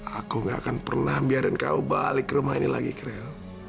aku gak akan pernah biarin kamu balik ke rumah ini lagi chrel